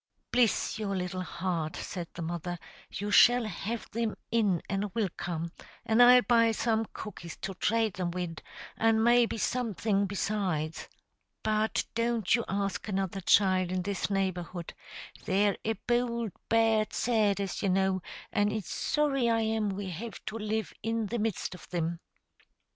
"Bliss your little heart!" said the mother; "you shall have thim in an' wilcome, an' I'll buy some cookies to trate thim wid, and maybe something besides. But don't you ask another child in this neighborhood; they're a bould, bad set, as you know, and it's sorry I am we have to live in the midst of thim."